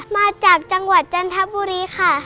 มาจากจังหวัดจันทบุรีค่ะ